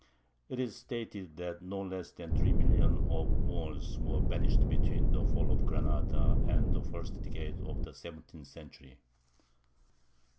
It is stated that no less than three million of Moors were banished between the fall of Granada and the first decade of the 17th century.